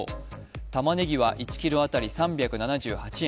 たまねぎは１ｋｇ当たり３７８円。